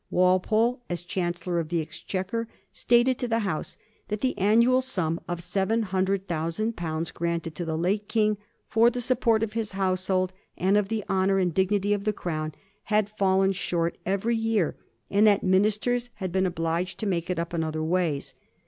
Walpole, as Chancellor of the Exchequer, stated to the House that the annual sum of seven hundred thousand pounds granted to the late King, * for the support of his household and of the honour and dignity of the Crown,' had fallen short every year, and that ministers had been obliged to make it up in Digiti zed by Google 1727 'HONEST SHIPPEN.' 367 other ways.